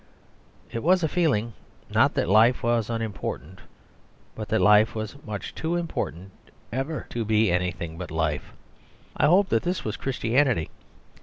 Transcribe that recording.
It was a feeling, not that life was unimportant, but that life was much too important ever to be anything but life. I hope that this was Christianity.